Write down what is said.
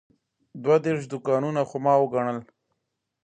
دوه دېرش دوکانونه خو ما وګڼل.